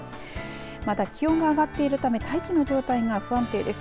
また、気温が上がっているため大気の状態が不安定です。